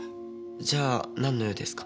じゃあなんの用ですか？